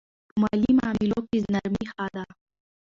په مالي معاملو کې نرمي ښه ده.